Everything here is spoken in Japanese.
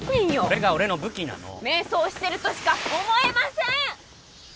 これが俺の武器なの迷走してるとしか思えません！